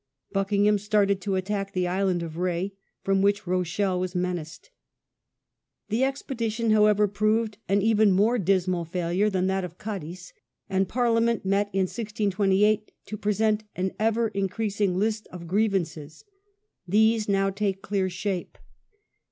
Bucking ham started to attack the island of Rh^, from which Rochelle was menaced. The expedition, however, proved an even more dismal failure than that of Cadiz, and Parliament met in 1628 to Parliament present an ever increasing list of grievances. ofx6a8. These now take clear shape.